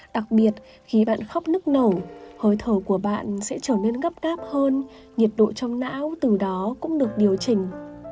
đặc biệt khi bạn khóc nức nẩu hơi thở của bạn sẽ trở nên ngấp ngáp hơn nhiệt độ trong não từ đó cũng được điều chỉnh